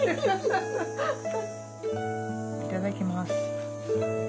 いただきます。